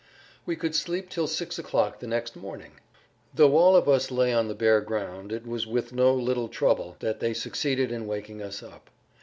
We could sleep till six o'clock the next morning. Though all of us lay on the bare ground it was with no little trouble that they succeeded in waking us up.